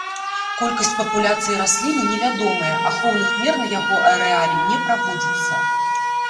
Колькасць папуляцыі расліны невядомая, ахоўных мер на яго арэале не праводзіцца.